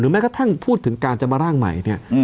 แม้กระทั่งพูดถึงการจะมาร่างใหม่เนี่ย